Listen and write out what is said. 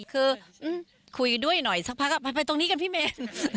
คือคุยด้วยหน่อยสักพักไปตรงนี้กันพี่เมน